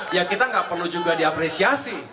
ya kita nggak perlu juga diapresiasi